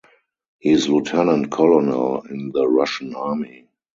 He is a Lieutenant Colonel in the Russian Army.